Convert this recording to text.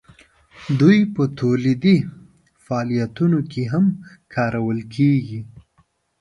دوی په تولیدي فعالیتونو کې هم کارول کیږي.